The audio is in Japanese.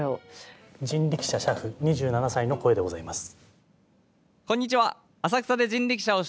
人力車俥夫２７歳の声でございます。